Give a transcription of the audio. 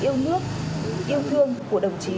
yêu nước yêu thương của đồng chí